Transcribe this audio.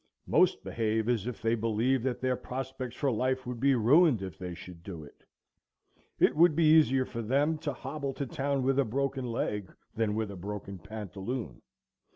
Most behave as if they believed that their prospects for life would be ruined if they should do it. It would be easier for them to hobble to town with a broken leg than with a broken pantaloon.